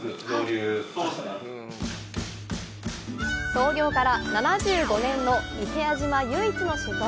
創業から７５年の伊平屋島唯一の酒造。